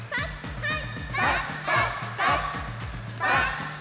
はい！